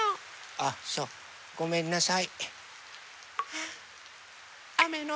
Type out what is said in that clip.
あっそうごめんなさい。